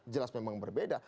jelas memang berbeda